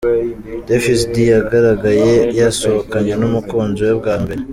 Davis D yagaragaye yasohokanye n’umukunzi we bwambere.